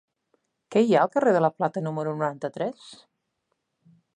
Què hi ha al carrer de la Plata número noranta-tres?